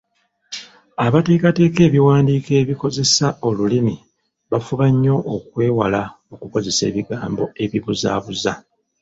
Abateekateeka ebiwandiiko ebikozesa olulimi bafuba nnyo okwewala okukozesa ebigambo ebibuzaabuza.